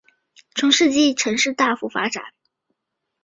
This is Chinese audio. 中世纪时期城市大幅发展。